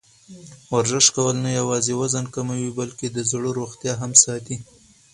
ورزش کول نه یوازې وزن کموي، بلکې د زړه روغتیا هم ساتي.